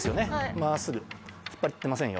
真っすぐ引っ張ってませんよ。